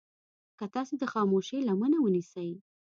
که تاسې د خاموشي لمنه ونيسئ.